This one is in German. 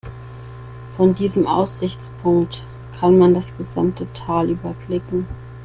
Von diesem Aussichtspunkt kann man das gesamte Tal überblicken.